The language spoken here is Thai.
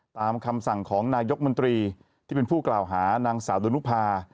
ตามคำสั่งของนายกมนตรีที่เป็นผู้กล่าวหานางสาวดนุภา